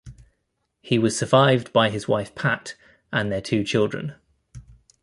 He was survived by his wife Pat and their two children.